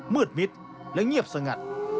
มืดมิดและเงียบสงัด